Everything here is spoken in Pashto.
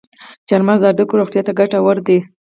چارمغز د هډوکو روغتیا ته ګټور دی.